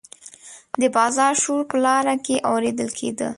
د بازار شور په لاره کې اوریدل کیده.